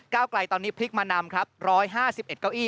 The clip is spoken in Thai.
ไกลตอนนี้พลิกมานำครับ๑๕๑เก้าอี